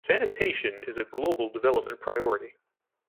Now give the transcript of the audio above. Sanitation is a global development priority.